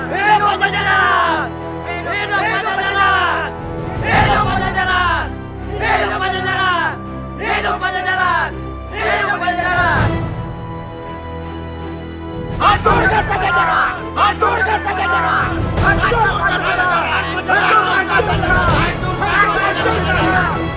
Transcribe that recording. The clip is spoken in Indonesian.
hidup panjang jalan hidup panjang jalan hidup panjang jalan hidup panjang jalan hidup panjang jalan